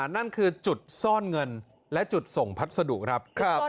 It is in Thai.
นั่นคือจุดซ่อนเงินและจุดส่งพัสดุครับ